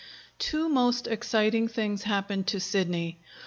two most exciting things happened to Sidney.